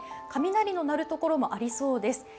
雷の鳴る所もありそうです。